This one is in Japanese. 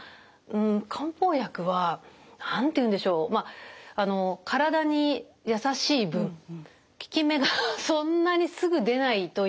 漢方薬は何て言うんでしょうまあ体に優しい分効き目がそんなにすぐ出ないというイメージがあって。